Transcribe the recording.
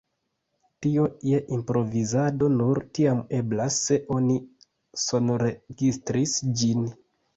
Tio je improvizado nur tiam eblas, se oni sonregistris ĝin.